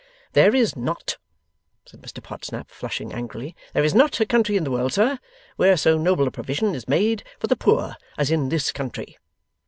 'There is not,' said Mr Podsnap, flushing angrily, 'there is not a country in the world, sir, where so noble a provision is made for the poor as in this country.